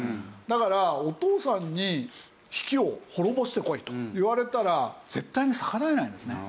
だからお父さんに比企を滅ぼしてこいと言われたら絶対に逆らえないんですね。